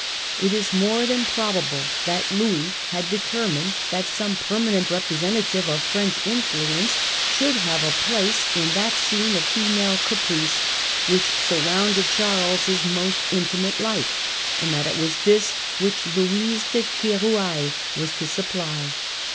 It is more than probable that Louis had determined that some permanent representative of French influence should have a place in that scene of female caprice which surrounded Charles's most inti mate life, and that it was this which Louise de K£roualle was to supply.